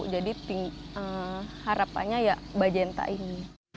jadi harapannya ya bacenta ini